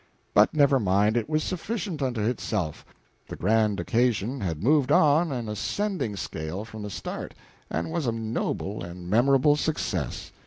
But never mind, it was sufficient unto itself, the grand occasion had moved on an ascending scale from the start, and was a noble and memorable success.